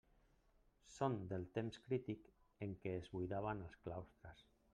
Són del temps crític en què es buidaven els claustres.